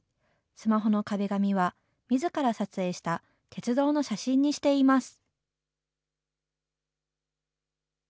スマホの壁紙はみずから撮影した鉄道の写真にしています。